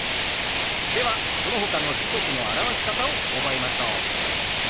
ではそのほかの時刻の表し方を覚えましょう。